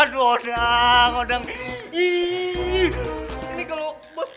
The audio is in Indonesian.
aduh udah udah cepet cepet